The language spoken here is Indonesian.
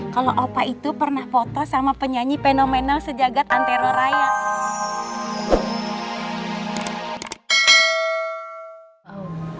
kalau opa itu pernah foto sama penyanyi fenomenal sejagat antero raya